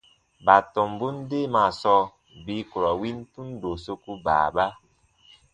Baatɔmbun deemaa sɔɔ bii ku ra win tundo soku baaba.